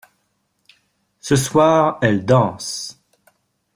Ce soir elle danse.